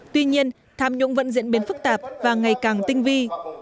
tuy nhiên tham nhũng vẫn diễn biến phức tạp và ngày càng tinh vi